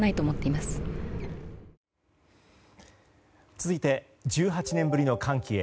続いて１８年ぶりの歓喜へ。